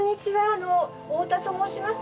あの太田と申します。